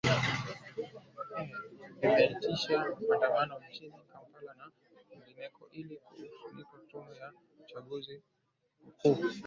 ee vimeitisha maandamano jijini kampala na kwingineko ili kuishinikiza tume ya uchaguzi mkuu